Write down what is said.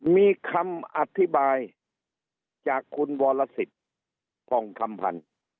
มีคำอธิบายจากคุณวรสิทธิ์ผ่องคำพันธ์